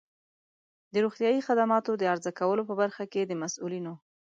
د روغتیایی خدماتو د عرضه کولو په برخه کې د مسؤلینو